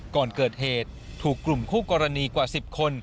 ก่อนเกิดเหตุถูกกลุ่มคู่กรณีกว่า๑๐คน